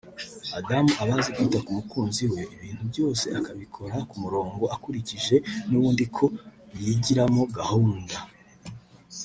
Adam abazi kwita ku mukunzi we ibintu byose akabikora ku murongo akurikije n’ubundi ko yigiramo gahunda